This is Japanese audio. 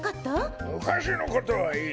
むかしのことはいい。